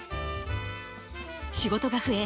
仕事が増え